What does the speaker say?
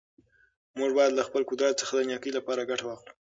موږ باید له خپل قدرت څخه د نېکۍ لپاره ګټه واخلو.